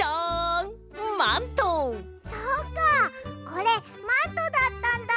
そっかこれマントだったんだ。